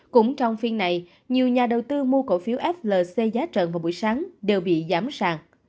cũng trong phiên này nhiều nhà đầu tư mua cổ phiếu flc giá trận vào buổi sáng đều bị giám sàng